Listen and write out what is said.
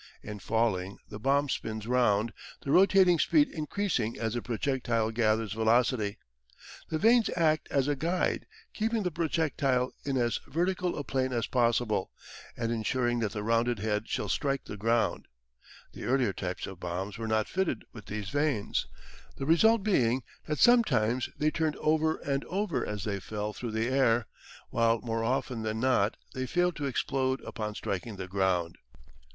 In falling the bomb spins round, the rotating speed increasing as the projectile gathers velocity. The vanes act as a guide, keeping the projectile in as vertical a plane as possible, and ensuring that the rounded head shall strike the ground. The earlier types of bombs were not fitted with these vanes, the result being that sometimes they turned over and over as they fell through the air, while more often than not they failed to explode upon striking the ground.